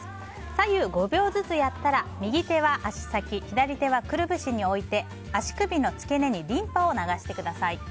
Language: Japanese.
左右５秒ずつやったら右手は足先左手はくるぶしに置いて足首の付け根にリンパを流してください。